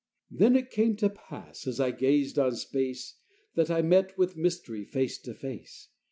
XV Then it came to pass as I gazed on space That I met with Mystery, face to face.